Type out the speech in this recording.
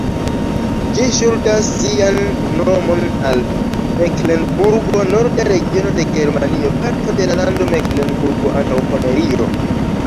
Ĝi ŝuldas sian nomon al Meklenburgo, norda regiono de Germanio, parto la lando Meklenburgo-Antaŭpomerio.